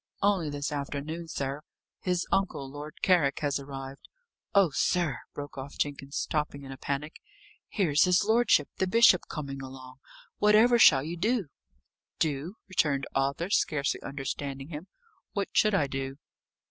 "Only this afternoon, sir. His uncle, Lord Carrick, has arrived. Oh, sir!" broke off Jenkins, stopping in a panic, "here's his lordship the bishop coming along! Whatever shall you do?" "Do!" returned Arthur, scarcely understanding him. "What should I do?"